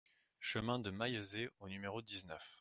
Chemin de Maillezais au numéro dix-neuf